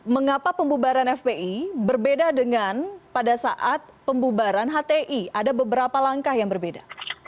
mengapa pembubaran fpi berbeda dengan pada saat pembubaran hti ada beberapa langkah yang berbeda